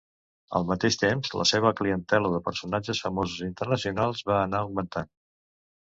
Al mateix temps, la seva clientela de personatges famosos internacionals va anar augmentant.